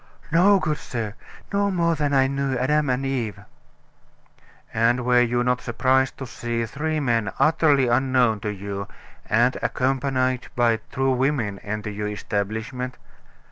"No, good sir, no more than I knew Adam and Eve." "And were you not surprised to see three men utterly unknown to you, and accompanied by two women, enter your establishment?"